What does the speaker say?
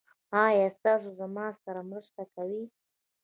ایا تاسو زما سره مرسته کوئ؟